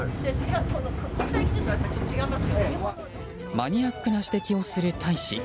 マニアックな指摘をする大使。